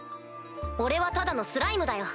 俺はただのスライムだよ。